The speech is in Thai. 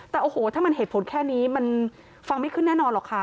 แต่โอ้โหถ้ามันเหตุผลแค่นี้มันฟังไม่ขึ้นแน่นอนหรอกค่ะ